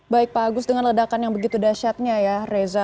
baik pak agus dengan ledakan yang begitu dasyatnya ya reza